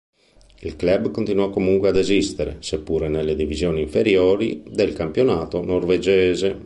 Il club continuò comunque ad esistere, seppure nelle divisioni inferiori del campionato norvegese.